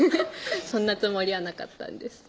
そんなつもりはなかったんです